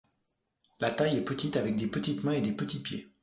La taille est petite avec des petites mains et des petits pieds.